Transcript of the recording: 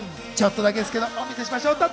ちょっとだけですけど、お見せしましょう。